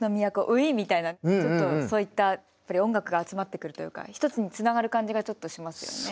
ウィーンみたいなちょっとそういったやっぱり音楽が集まってくるというか一つにつながる感じがちょっとしますよね。